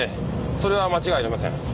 それは間違いありません。